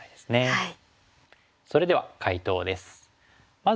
はい。